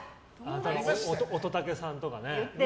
乙武さんとかね。